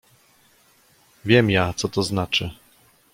"Wiem ja, co to znaczy!"